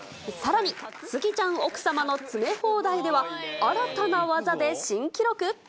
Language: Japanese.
さらに、スギちゃん奥様の詰め放題では、新たな技で新記録？